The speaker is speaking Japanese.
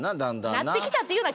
「なってきた」って言うな！